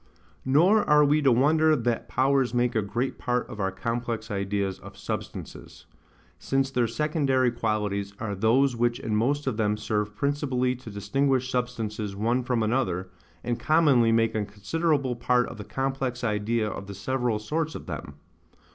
Nor are we to wonder that powers make a great part of our complex ideas of substances; since their secondary qualities are those which in most of them serve principally to distinguish substances one from another, and commonly make a considerable part of the complex idea of the several sorts of them.